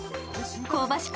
香ばしく